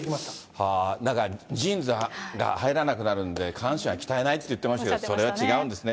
はー、なんかジーンズが入らなくなるんで、下半身は鍛えないって言ってましたけど、それは違うんですね。